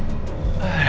bisa kena sumbang